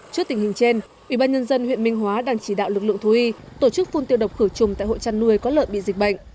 trước tình hình trên ủy ban nhân dân huyện minh hóa đang chỉ đạo lực lượng thú y tổ chức phun tiêu độc khử trùng tại hộ chăn nuôi có lợn bị dịch bệnh